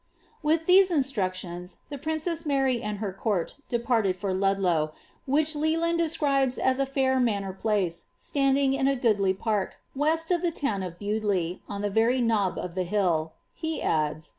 ' With these instruc tions, the princess Mary and her court departed for Ludlow, which Le land describes as a fair manor place, standing in a goodly park, west of tba town of Bewdley, on the very knob of tlie hill ;" he adds.